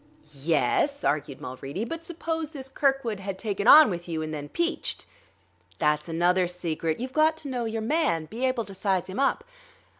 "Yes," argued Mulready; "but suppose this Kirkwood had taken on with you and then peached?" "That's another secret; you've got to know your man, be able to size him up.